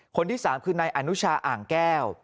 คนที่๓คือนายอนุชาอ่างแก้ว